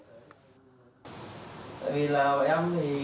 tại vì là bọn em thì ở đây thì bán chung là chậu nhỏ lẻ thôi